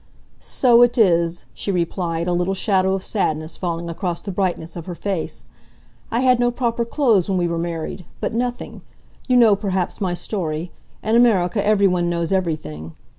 "So it is," she replied, a little shadow of sadness falling across the brightness of her face. "I had no proper clothes when we were married but nothing! You know perhaps my story. In America, everyone knows everything.